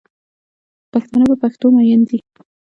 پښتانه په پښتو میین دی